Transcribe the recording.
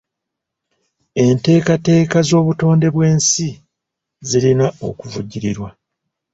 Enteekateeka z'obutonde bw'ensi zirina okuvujjirirwa.